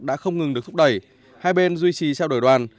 đã không ngừng được thúc đẩy hai bên duy trì trao đổi đoàn